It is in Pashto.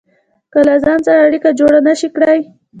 که له ځان سره اړيکه جوړه نشئ کړای.